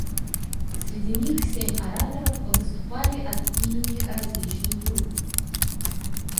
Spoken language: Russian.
Среди них семь ораторов выступали от имени различных групп.